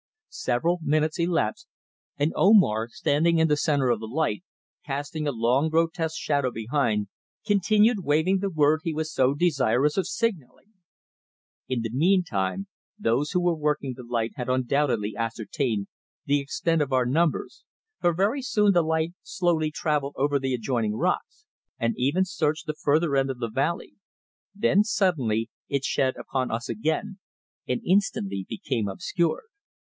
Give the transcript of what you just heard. Several minutes elapsed, and Omar, standing in the centre of the light, casting a long grotesque shadow behind, continued waving the word he was so desirous of signalling. In the meantime those who were working the light had undoubtedly ascertained the extent of our numbers, for very soon the light slowly travelled over the adjoining rocks, and even searched the further end of the valley; then suddenly it shed upon us again, and instantly became obscured.